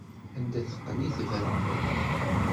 Anda teqqen i tebra.